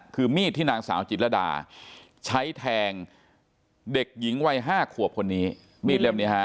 คือมีดที่นางสาวจิตรดาใช้แทงเด็กหญิงวัย๕ควบคนนี้